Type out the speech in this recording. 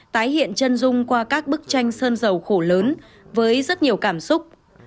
tái hiện chân dung qua các bức tranh sơn dầu khổ lớn với rất nhiều cảm xúc